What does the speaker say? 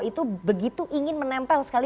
itu begitu ingin menempel sekali